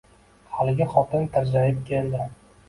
Haligi xotin tirjayib keldi.